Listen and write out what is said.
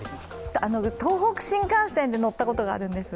東北新幹線って乗ったことがあるんです。